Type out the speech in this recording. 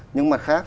nhưng mặt khác